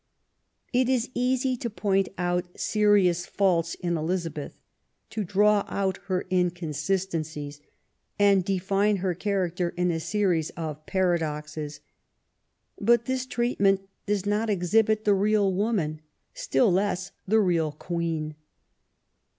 It is easy to point out serious faults in Elizabeth, to draw out her inconsistencies, and define her character in a series of parodoxes. But this treat ment does not exhibit the real woman, still less the real Queen.